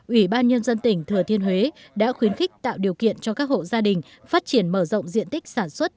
ủy ban nhân dân tỉnh thừa thiên huế đã khuyến khích tạo điều kiện cho các hộ gia đình phát triển mở rộng diện tích sản xuất